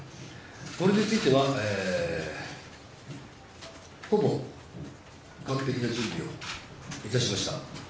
これについては、ほぼ完璧な準備をいたしました。